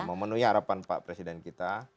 memenuhi harapan pak presiden kita